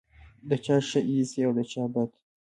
د چا ښه ایسې او د چا بد.